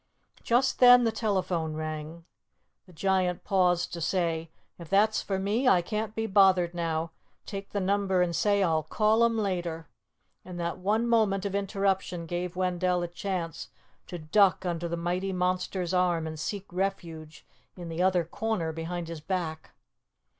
Just then the telephone rang. The Giant paused to say, "If that's for me, I can't be bothered now. Take the number and say I'll call 'em later," and that one moment of interruption gave Wendell a chance to duck under the mighty monster's arm and seek refuge in the other corner behind his back.